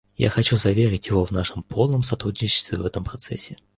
Я хочу заверить его в нашем полном сотрудничестве в этом процессе.